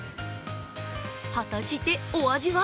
果たしてお味は？